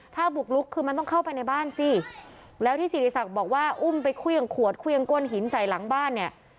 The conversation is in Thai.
ถ้าบุกลุกคือมันต้องเข้าไปในบ้านสิแล้วที่สิริศักดิ์บอกว่าอุ้มไปเครื่องขวดเครื่องก้นหินใส่หลังบ้านเนี่ย